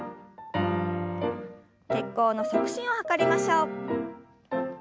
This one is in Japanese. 血行の促進を図りましょう。